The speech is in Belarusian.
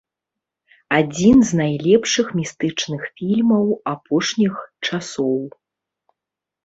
Адзін з найлепшых містычных фільмаў апошніх часоў.